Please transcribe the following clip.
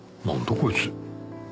こいつ。